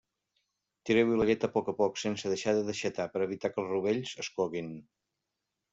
Tireu-hi la llet a poc a poc, sense deixar de deixatar, per a evitar que els rovells es coguin.